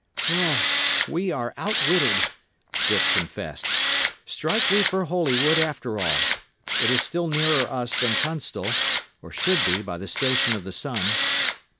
"Well, we are outwitted," Dick confessed. "Strike we for Holywood, after all. It is still nearer us than Tunstall or should be by the station of the sun."